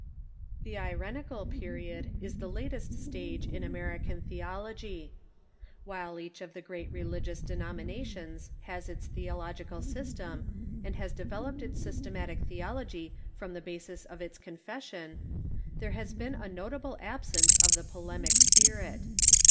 The Irenical Period is the latest stage in American theology. THEOLOGY OF THE AMERICAX CHUECH 631 While each of the great religious denominations has its theo logical system, and has developed its systematic the Pe'^bd*^^ ology from the basis of its Confession, there has been a notable absence of the polemic spirit.